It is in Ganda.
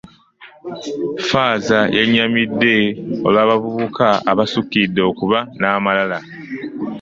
Ffaaza yennyamidde olw'abavubuka abasukkiridde okuba n'amalala.